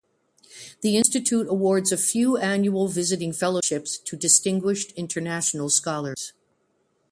The Institute awards a few annual visiting fellowships to distinguished international scholars.